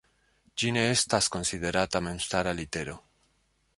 Ĝi ne estas konsiderata memstara litero.